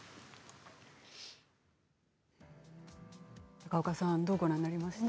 高岡さんどうご覧になりましたか？